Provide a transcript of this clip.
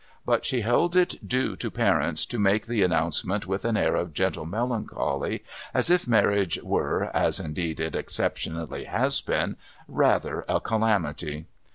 But, she held it due to parents to make the announcement with an air of gentle melancholy, as if marriage were (as indeed it exceptionally has been) rather a calamity.